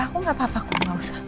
aku enggak apa apa enggak usah